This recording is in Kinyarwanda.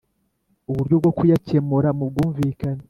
uburyo bwo kuyakemura mu bwumvikane